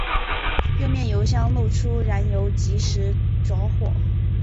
右面油箱漏出燃油即时着火。